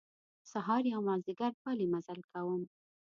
سهار یا مازیګر پلی مزل کوم.